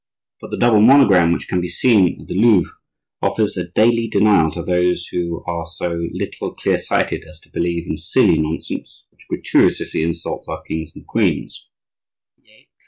But the double monogram which can be seen at the Louvre offers a daily denial to those who are so little clear sighted as to believe in silly nonsense which gratuitously insults our kings and queens.